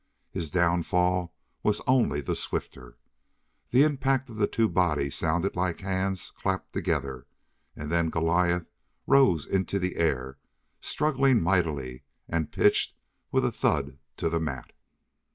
His downfall was only the swifter. The impact of the two bodies sounded like hands clapped together, and then Goliath rose into the air, struggling mightily, and pitched with a thud to the mat.